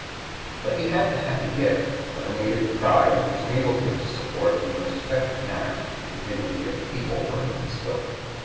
But he had the happy gift of a native pride which enabled him to support in the most effective manner the dignity of the people for whom he spoke.